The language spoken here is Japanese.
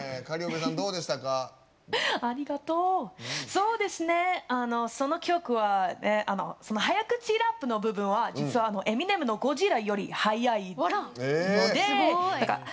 そうですね、その曲は早口ラップの部分は実はエミネムの曲よりも速いので。